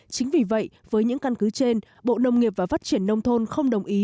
chính vì vậy với những căn cứ trên bộ nông nghiệp và phát triển nông thôn không đồng ý